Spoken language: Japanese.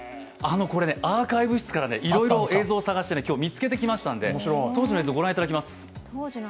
アーカイブ室からいろいろ映像を探して見つけてきましたので、当時の映像をご覧ください。